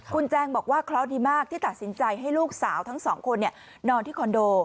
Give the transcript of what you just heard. คุณแจงบอกว่าเคราะห์ดีมากที่ตัดสินใจให้ลูกสาวทั้งสองคนนอนที่คอนโด